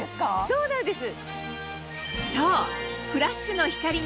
そうなんです。